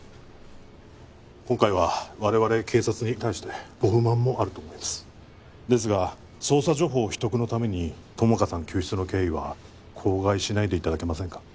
今回は我々警察に対してご不満もあると思いますですが捜査情報秘匿のために友果さん救出の経緯は口外しないでいただけませんか？